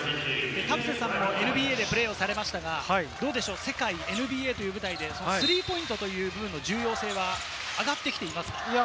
田臥さんもＮＢＡでプレーされましたが、スリーポイントという部分の重要性は上がってきていますか？